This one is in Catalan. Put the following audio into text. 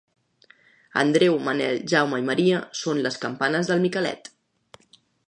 Andreu, Manel, Jaume i Maria, són les campanes del Micalet.